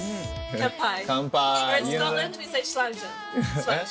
カンパイ！